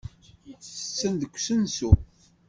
Ttetten deg usensu.